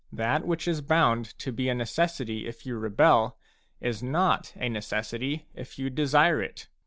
That which is bound to be a necessity if you rebel, is not a necessity if you desire it.